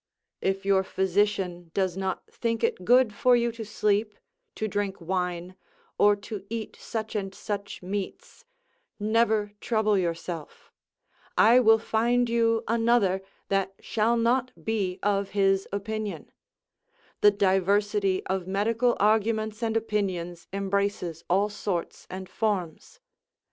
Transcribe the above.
] If your physician does not think it good for you to sleep, to drink wine, or to eat such and such meats, never trouble yourself; I will find you another that shall not be of his opinion; the diversity of medical arguments and opinions embraces all sorts and forms.